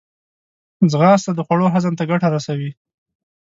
ځغاسته د خوړو هضم ته ګټه رسوي